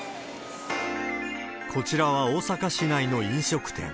こちらは大阪市内の飲食店。